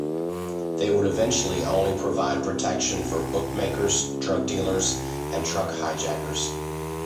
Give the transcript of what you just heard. They would eventually only provide protection for bookmakers, drug dealers and truck hijackers.